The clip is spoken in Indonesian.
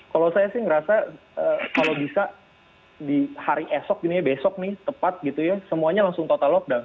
kalau saya sih ngerasa kalau bisa di hari esok ini besok nih tepat gitu ya semuanya langsung total lockdown